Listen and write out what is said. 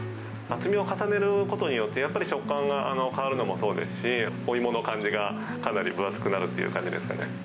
厚みを重ねることによってやっぱり食感が変わるのもそうですし、お芋の感じがかなり分厚くなるという感じですかね。